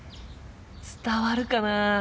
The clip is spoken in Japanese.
伝わるかな？